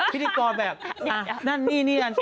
พิธีกรแบบนั่นนี่นั่นใช่